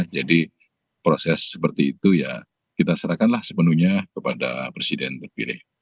jadi proses seperti itu ya kita serahkanlah sepenuhnya kepada presiden terpilih